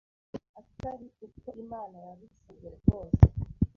atari uko Imana yabisabye rwose,